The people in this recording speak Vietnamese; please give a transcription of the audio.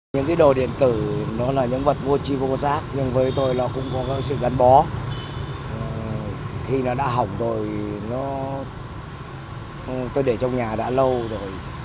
những cái đồ điện tử nó là những vật vô chi vô giác nhưng với tôi nó cũng có sự gắn bó khi nó đã hỏng rồi nó tôi để trong nhà đã lâu rồi